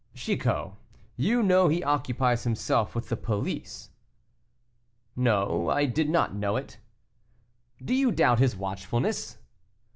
"Chicot, you know he occupies himself with the police." "No; I did not know it." "Do you doubt his watchfulness?"